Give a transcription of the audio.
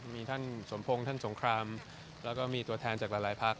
มีท่านสมพงศ์ท่านสงครามแล้วก็มีตัวแทนจากหลายพัก